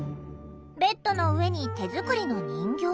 ベッドの上に手作りの人形。